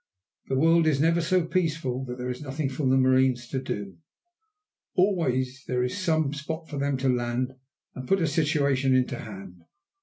The world is never so peaceful that there is nothing for the marines to do. Always there is some spot for them to land and put a situation into hand.